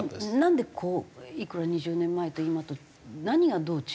なんでこう２０年前と今と何がどう違う？